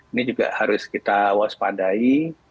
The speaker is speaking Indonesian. ini juga harus kita waspadai